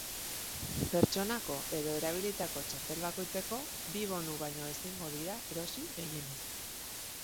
Pertsonako edo erabilitako txartel bakoitzeko bi bonu baino ezingo dira erosi gehienez.